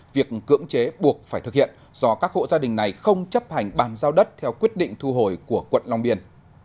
việc cưỡng chế buộc phải thực hiện do các hộ gia đình này không chấp hành bàn giao đất theo quyết định thu hồi của quận long biên